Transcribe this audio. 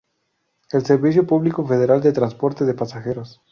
El servicio público federal de transporte de pasajeros.